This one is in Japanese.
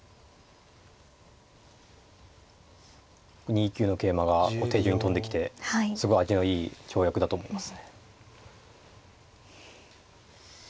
２九の桂馬が手順に跳んできてすごい味のいい跳躍だと思いますね。